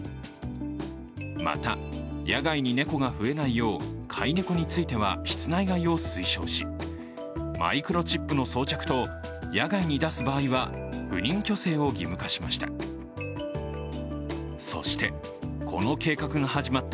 また、野外に猫が増えないよう飼い猫については室内飼いを推奨し、マイクロチップの装着と野外に出す場合は不妊去勢を義務化しました。